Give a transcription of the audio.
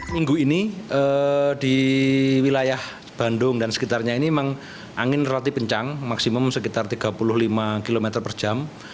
minggu ini di wilayah bandung dan sekitarnya ini memang angin relatif kencang maksimum sekitar tiga puluh lima km per jam